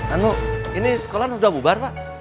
anu ini sekolah sudah bubar pak